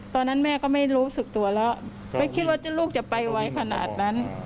ตอนนั้นแม่ก็ไม่รู้สึกตัวแล้วไม่คิดว่าลูกจะไปไวขนาดนั้น